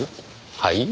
はい？